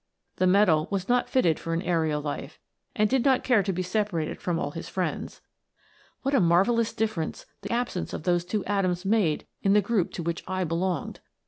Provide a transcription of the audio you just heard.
The metal was not fitted for an aerial life, and did not care to be separated from all his friends. What a marvellous difference the absence of those two atoms made in the group to which I be longed.